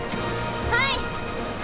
はい！